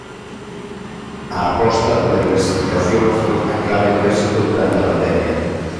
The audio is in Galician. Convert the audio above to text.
A aposta pola diversificación foi a clave do éxito durante a pandemia.